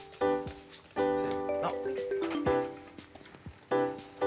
せの。